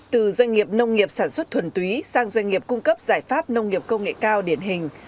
từ doanh nghiệp nông nghiệp sản xuất thuần túy sang doanh nghiệp cung cấp giải pháp nông nghiệp công nghệ cao điển hình